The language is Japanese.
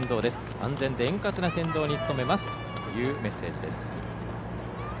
安全で円滑な先導に努めますというメッセージです。